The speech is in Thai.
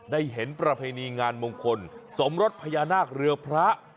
เห็นประเพณีงานมงคลสมรสพญานาคเรือพระ